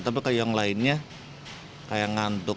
tapi kayak yang lainnya kayak ngantuk